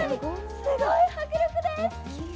すごい迫力です！